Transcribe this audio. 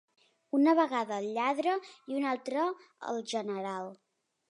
Una vegada al lladre, i una altra al general.